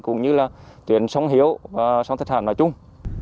cũng như là chuyển sống hiệu và sống thực hành nói chung